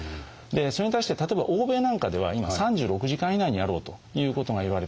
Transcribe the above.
それに対して例えば欧米なんかでは今３６時間以内にやろうということがいわれています。